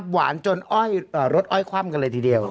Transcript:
หวานจนรถอ้อยขว้ำกันเลยทีเดียว